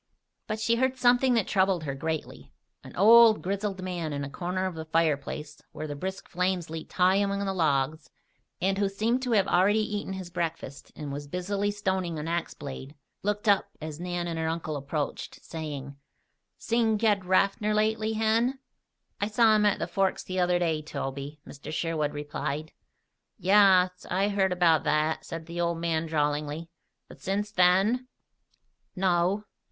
But she heard something that troubled her greatly. An old, grizzled man in a corner of the fireplace where the brisk flames leaped high among the logs, and who seemed to have already eaten his breakfast and was busily stoning an axe blade, looked up as Nan and her uncle approached, saying: "Seen Ged Raffer lately, Hen?" "I saw him at the Forks the other day, Toby," Mr. Sherwood replied. "Yaas. I heard about that," said the old man drawlingly. "But since then?" "No."